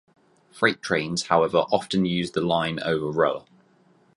Freight trains however often use the line over Roa.